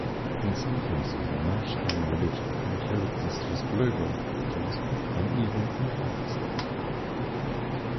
In some cases, national religions can coexist with global religions and even influence them.